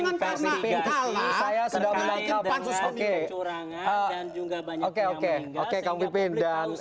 jangan karena hal hal terkait dengan pencurangan dan juga banyak yang meninggal sehingga publik harus menunggu